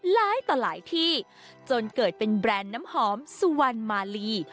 หลายต่อหลายที่จนเกิดเป็นแบรนด์น้ำหอมสุวรรณมาลี